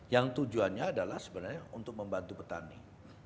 yang tujuannya adalah sebenarnya untuk membantu petani